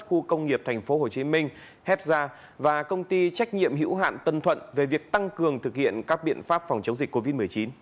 khu công nghiệp tp hcm heza và công ty trách nhiệm hữu hạn tân thuận về việc tăng cường thực hiện các biện pháp phòng chống dịch covid một mươi chín